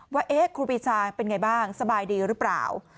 ว่าครูปีชาเป็นไงบ้างสบายดีหรือเปล่า